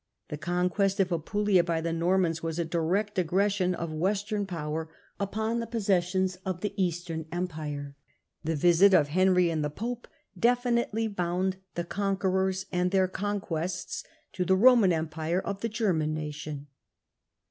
The conquest of Apulia by^ the Normans was a direct aggression of Western power upon the possessions of the Eastern Empire ; the visit of Henry Digitized by VjX)OQIC 20 HiLDEBRAND and the pope definitely bound the conquerors and their conquests to the Boman Empire of the German nation.